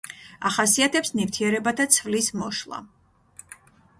ახასიათებს ნივთიერებათა ცვლის მოშლა.